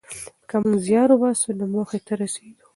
که موږ زیار وباسو نو موخې ته رسېږو.